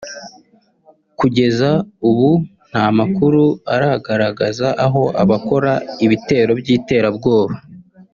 Kugeza ubu nta makuru aragaragaza aho abakora ibitero by’iterabwoba